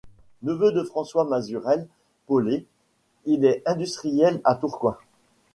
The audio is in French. Neveu de François Masurel Pollet, il est industriel à Tourcoing.